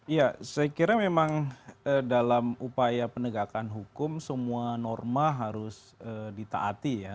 ya saya kira memang dalam upaya penegakan hukum semua norma harus ditaati ya